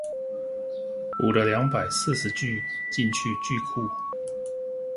補了兩百四十句進去句庫